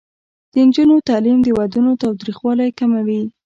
د نجونو تعلیم د ودونو تاوتریخوالی کموي.